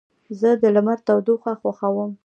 زه د لمر تودوخه خوښوم.